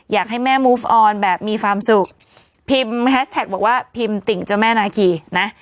อยากให้แม่มูฟออนแบบมีความสุขพิมพ์แฮชแท็กบอกว่าพิมพ์ติ่งเจ้าแม่นาคีนะ